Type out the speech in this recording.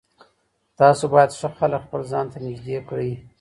تاسو باید ښه خلک خپل ځان ته نږدې کړئ.